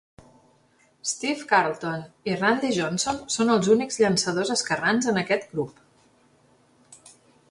Steve Carlton i Randy Johnson són els únics llançadors esquerrans en aquest grup.